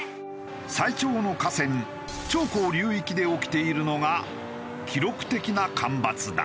最長の河川長江流域で起きているのが記録的な干ばつだ。